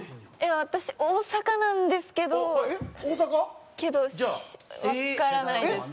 私大阪なんですけどけどわからないです。